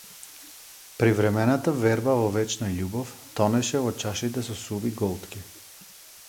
Привремената верба во вечна љубов, тонеше во чашите со суви голтки.